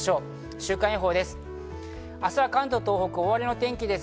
週間予報です。